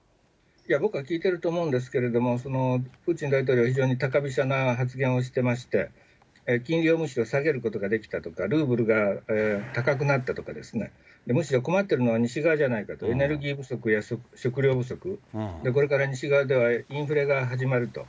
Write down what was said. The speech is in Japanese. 僕は聞いてると思うんですけれども、プーチン大統領、非常に高飛車な発言をしてまして、金利をむしろ下げることができたとか、ルーブルが高くなったとかですね、むしろ困ってるのは西側じゃないかと、エネルギー不足や食料不足、これから西側ではインフレが始まると。